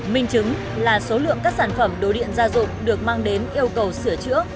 minh chứng là số lượng các sản phẩm đồ điện gia dụng được mang đến yêu cầu sửa chữa